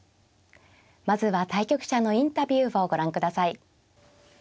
まずは対局者のインタビューをご覧ください。